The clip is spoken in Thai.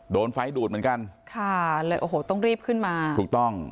โดนไฟดูดเหมือนกันค่ะเลยโอ้โหต้องรีบขึ้นมาถูกต้อง